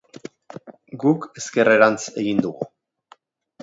Guk ezkerrerantz egin dugu.